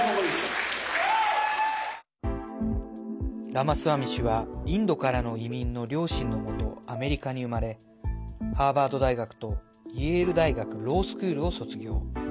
ラマスワミ氏はインドからの移民の両親のもとアメリカに生まれハーバード大学とイェール大学ロースクールを卒業。